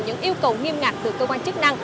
những yêu cầu nghiêm ngặt từ cơ quan chức năng